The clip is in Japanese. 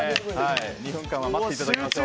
２分間は待っていただきましょう。